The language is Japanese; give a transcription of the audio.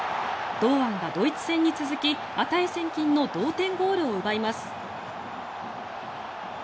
堂安がドイツ戦に続き値千金の同点ゴールを奪います。